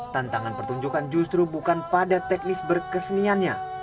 tantangan pertunjukan justru bukan pada teknis berkeseniannya